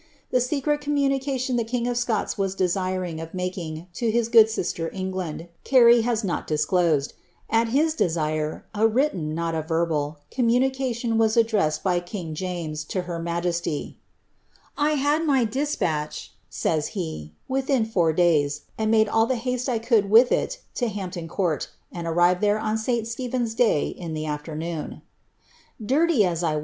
The secret communication the king of Scots f9M desirous of making to his good sister England, Carey has not dis loaed. At his desire, a written, not a verbal, communication was ad Ivmed by king James to her majesty :" I had my despatch," says he, within four ckys, and made all the haste I could with it to Hampton kNirt, and arrived there on St. Stephen's day, in the aAemoon* Dirty * AntoMography of Sir Robert Carey, earl of Monmouth. ^"^Nii.